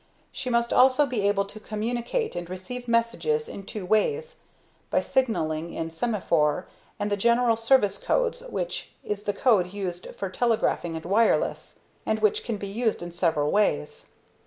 She must also be able to communicate and receive messages in two ways by signalling in Semaphore and the General Service Codes which is the code used for telegraphing and wireless, and which can be used in several ways.